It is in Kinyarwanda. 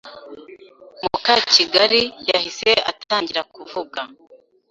Mukakigali yahise atangira kuvuga.